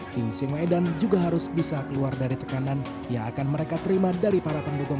tim singoedan juga harus bisa keluar dari tekanan yang akan mereka terima dari para pendukung